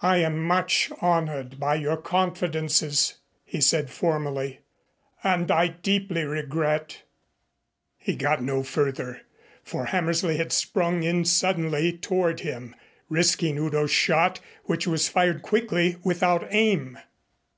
"I am much honored by your confidences," he said formally, "and I deeply regret " He got no further, for Hammersley had sprung in suddenly toward him, risking Udo's shot, which was fired quickly, without aim.